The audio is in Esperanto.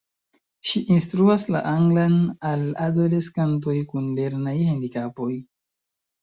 Ŝi instruas la anglan al adoleskantoj kun lernaj handikapoj.